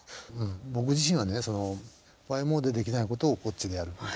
僕自身はねＹＭＯでできないことをこっちでやるみたいな。